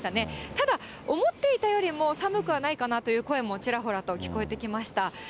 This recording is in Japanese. ただ、思っていたよりも寒くはないかなという声もちらほらと聞こえてきました。